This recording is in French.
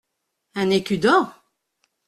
Un écu d’or ?